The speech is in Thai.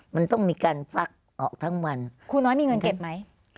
มันต้องมีการฟักออกทั้งวันครูน้อยมีเงินเก็บไหม